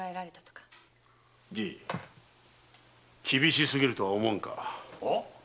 厳しすぎるとは思わぬか？